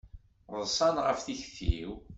Ḍsan ɣef tikti-w.